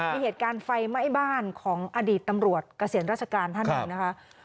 มีเหตุการณ์ไฟไหม้บ้านของอดีตตำรวจเกษียณราชการท่านหนึ่งนะคะ